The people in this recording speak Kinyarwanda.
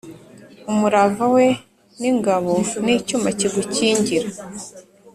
umurava we ni ingabo n’icyuma kigukingira.